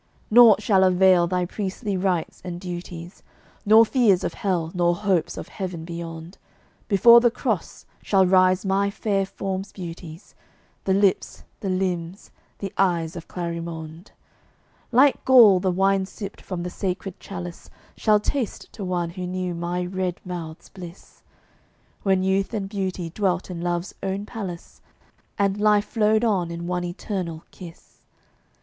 Naught shall avail thy priestly rites and duties, Nor fears of Hell, nor hopes of Heaven beyond: Before the Cross shall rise my fair form's beauties The lips, the limbs, the eyes of Clarimonde. Like gall the wine sipped from the sacred chalice Shall taste to one who knew my red mouth's bliss, When Youth and Beauty dwelt in Love's own palace, And life flowed on in one eternal kiss.